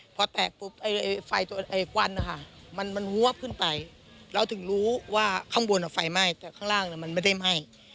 พอแตะปุ๊บควันนะคะมันฮวบขึ้นไปเราถึงรู้ว่าข้างบนไฟไหม้แต่ข้างล่างมันไม่ได้ไหม้